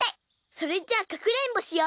それじゃあかくれんぼしようよ。